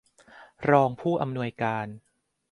รองผู้อำนวยการ